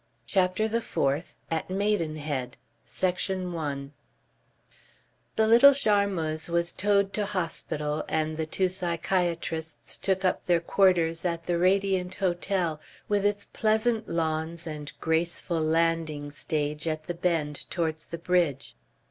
CHAPTER THE FOURTH AT MAIDENHEAD Section 1 The little Charmeuse was towed to hospital and the two psychiatrists took up their quarters at the Radiant Hotel with its pleasant lawns and graceful landing stage at the bend towards the bridge.